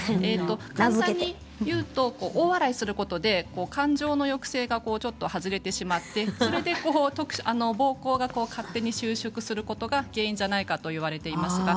簡単に言うと大笑いすることで感情の抑制がちょっと外れてしまってそれで、ぼうこうが勝手に収縮することが原因じゃないかといわれています。